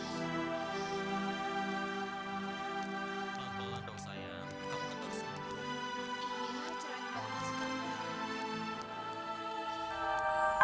kalau memang kamu gak bisa maafin aku